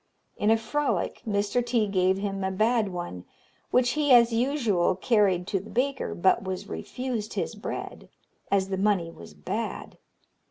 In a frolic Mr. T gave him a bad one, which he, as usual, carried to the baker, but was refused his bread, as the money was bad.